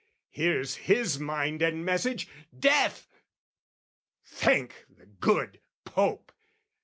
Here's his mind and message death, Thank the good Pope!